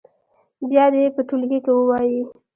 بیا دې یې په ټولګي کې ووايي.